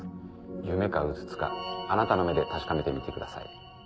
夢かうつつかあなたの目で確かめてみてください。